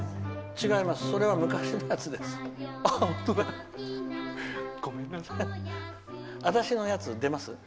違います